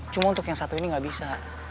cuma untuk yang satu ini nggak bisa